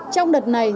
trong đợt này